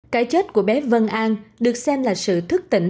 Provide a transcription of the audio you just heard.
cái chết của bé vân an được xem là sự thức tỉnh